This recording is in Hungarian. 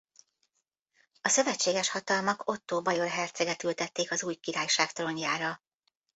A szövetséges hatalmak Ottó bajor herceget ültették az új királyság trónjára.